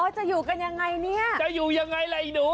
จะอยู่กันยังไงเนี่ยจะอยู่ยังไงล่ะอีหนู